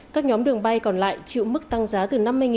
các nhóm đường bay còn lại chịu mức tăng giá từ năm mươi đồng